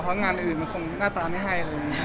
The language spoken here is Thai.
เพราะงานอื่นมันคงน่าตาไม่ให้